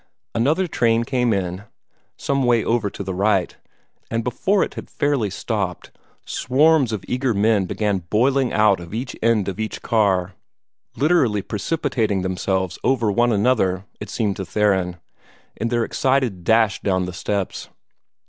Another train came in, some way over to the right, and before it had fairly stopped, swarms of eager men began boiling out of each end of each car, literally precipitating themselves over one another, it seemed to Theron, in their excited dash down the steps.